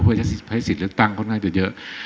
เพื่อจะให้สิทธิ์เลือกตั้งค่อนข้างจะเยอะ